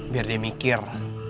biar dia mikir